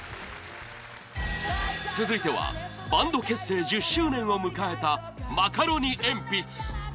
続いてはバンド結成１０周年を迎えたマカロニえんぴつ